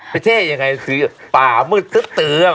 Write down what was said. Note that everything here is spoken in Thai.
เท่ยังไงคือป่ามืดตึ๊บตือ